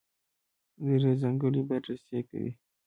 درې ځانګړنې بررسي کوي.